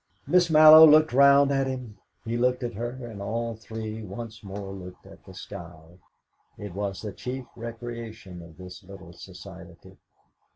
Miss Mallow looked round at him, he looked at her, and all three once more looked at the sky. It was the chief recreation of this little society.